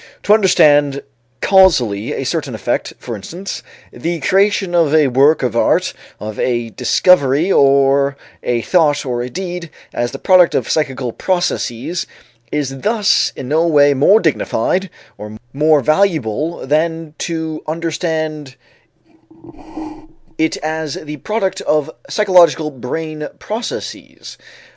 To understand causally a certain effect, for instance the creation of a work of art, of a discovery or a thought or a deed as the product of psychical processes, is thus in no way more dignified or more valuable than to understand it as the product of physiological brain processes.